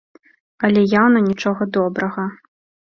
Але яўна нічога добрага.